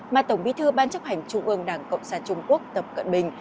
mà tổng bí thư ban chấp hành trung ương đảng cộng sản trung quốc tập cận bình